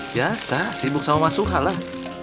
biasa sibuk sama mas suka lah